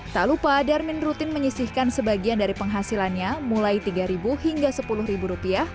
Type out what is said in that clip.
tak lupa darmin rutin menyisihkan sebagian dari penghasilannya mulai tiga ribu hingga sepuluh ribu rupiah